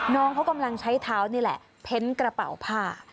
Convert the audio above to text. น้องเขากำลังใช้เท้านี่แหละเพ้นกระเป๋าผ้า